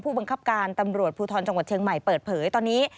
บังคับการตำรวจภูทรจังหวัดเชียงใหม่เปิดเผยตอนนี้